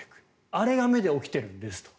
あれが目で起きているんですと。